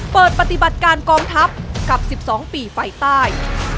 เปิดปฏิบัติการกองทัพกับ๑๒ปีไฟใต้